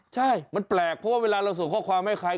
ใช่มันแปลกเพราะว่าเวลาเราส่งข้อความให้ใคร